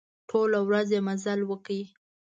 ټوله ورځ يې مزل وکړ.